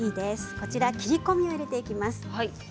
切り込みを入れていきます。